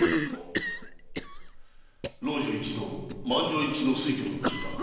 老中一同満場一致の推挙と聞いたが。